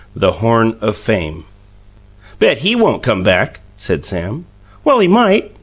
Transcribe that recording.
THE HORN OF FAME "Bet he won't come back!" said Sam. "Well, he might."